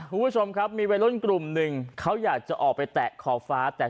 คุณผู้ชมครับมีวัยรุ่นกลุ่มหนึ่งเขาอยากจะออกไปแตะขอบฟ้าแต่